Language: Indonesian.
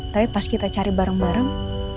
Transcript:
tapi pas kita cari bareng bareng